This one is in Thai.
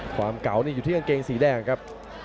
ความเก่านี่อยู่ที่กางเกงสีแดงครับ